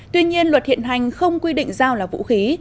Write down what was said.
tuy nhiên luật hiện hành không quy định dao là vũ khí